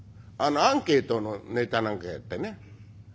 あのアンケートのネタなんかやってね。